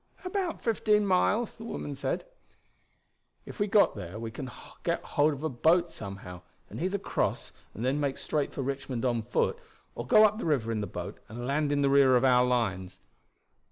"About fifteen miles," the woman said. "If we got there we can get hold of a boat somehow, and either cross and then make straight for Richmond on foot, or go up the river in the boat and land in the rear of our lines.